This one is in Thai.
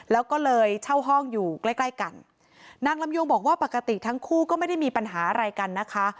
แล้วก็เลยเช่าห้องอยู่ใกล้ใกล้กันนางลำยงบอกว่าปกติทั้งคู่ก็ไม่ได้มีปัญหาอะไรกันนะคะ